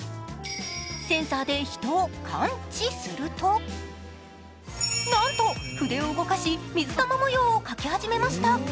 センサーで人を感知すると、なんと筆を動かし、水玉模様を描き始めました。